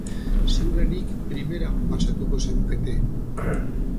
Ziurrenik primeran pasatuko zenukete.